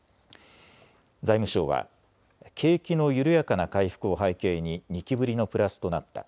財務省は景気の緩やかな回復を背景に２期ぶりのプラスとなった。